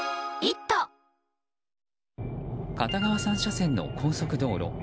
片側３車線の高速道路。